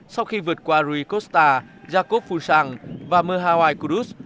sau khi vượt qua rui costa jacob fouchang và mahaway kudus